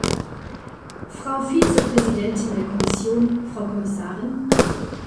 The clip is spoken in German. Frau Vizepräsidentin der Kommission, Frau Kommissarin!